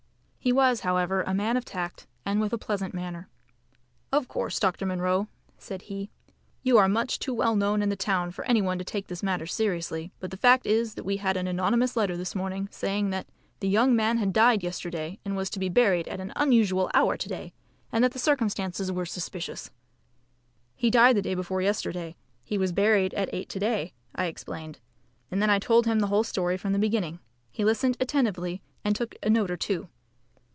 He was, however, a man of tact and with a pleasant manner. "Of course, Dr. Munro," said he, "you are much too well known in the town for any one to take this matter seriously. But the fact is that we had an anonymous letter this morning saying that the young man had died yesterday and was to be buried at an unusual hour to day, and that the circumstances were suspicious." "He died the day before yesterday. He was buried at eight to day," I explained; and then I told him the whole story from the beginning. He listened attentively and took a note or two.